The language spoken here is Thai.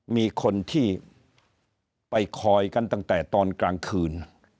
มีคนที่ไปคอยกันตั้งแต่ตอนกลางคืน